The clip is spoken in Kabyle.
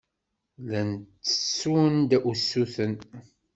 Llan ttessun-d usuten.